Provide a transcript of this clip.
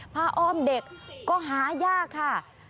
อ้อมเด็กก็หายากค่ะ